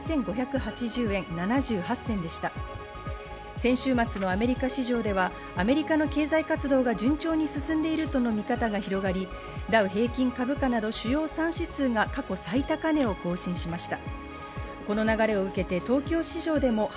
先週末のアメリカ市場ではアメリカの経済活動が順調に進んでいるとの見方が広がり、ダウ平均株価など主要３指数が過去最高値を更新しました。